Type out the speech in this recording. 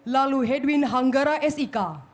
lalu hedwin hanggara sik